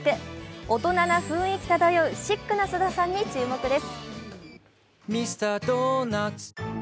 大人な雰囲気漂うシックな菅田さんに注目です。